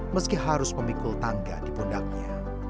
meski harus memikul tangga di pundaknya